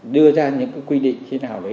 đưa ra những cái quy định như thế nào đấy